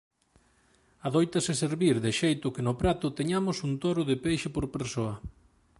Adóitase servir de xeito que no prato teñamos un toro de peixe por persoa.